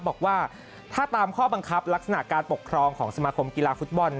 บอกว่าถ้าตามข้อบังคับลักษณะการปกครองของสมาคมกีฬาฟุตบอล